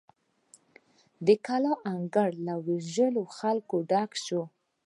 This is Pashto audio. د کلا انګړ له ویرژلو خلکو ډک شو.